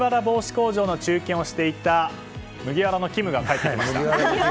工場の中継をしていた麦わらのキムが帰ってきました。